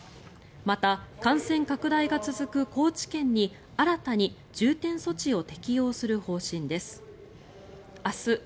また感染拡大が続く高知県に新たに重点措置を適用する方針です。